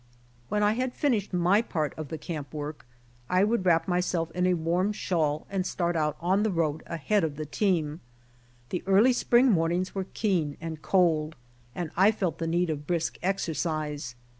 When I had finished my part of the camp work I would wrap myself in a warm shawl and start out on the road ahead of the team. The early spring mornings were keen and cold and I felt the need of brisk exercise.